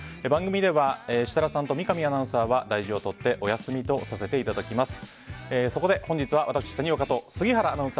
番組では、設楽さんと三上アナウンサーは大事を取ってお休みとさせていただきます。